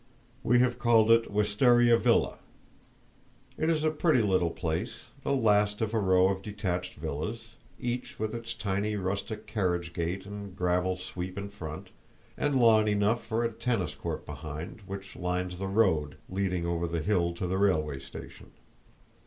We have called it "Wistaria Villa." It is a pretty little place, the last of a row of detached villas, each with its tiny rustic carriage gate and gravel sweep in front, and lawn enough for a tennis court behind, which lines the road leading over the hill to the railway station.